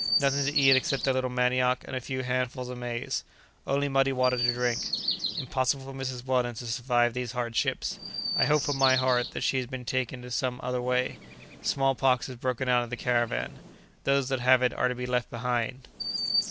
Nothing to eat except a little manioc and a few handfuls of maize. Only muddy water to drink. Impossible for Mrs. Weldon to survive these hardships; I hope from my heart that she has been taken some other way. Small pox has broken out in the caravan; those that have it are to be left behind.